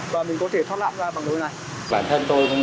và mình có thể thoát nạn ra bằng lối này